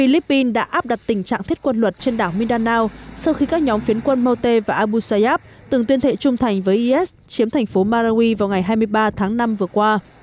mindanao sau khi các nhóm phiến quân mote và abu sayyaf từng tuyên thệ trung thành với is chiếm thành phố marawi vào ngày hai mươi ba tháng năm vừa qua